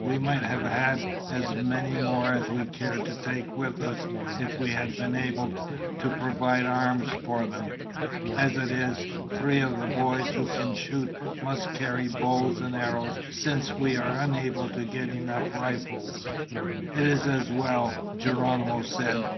We might have had as many more as we cared to take with us if we had been able to provide arms for them. As it is, three of the boys who can shoot must carry bows and arrows since we were unable to get enough rifles." "It is as well," Geronimo said.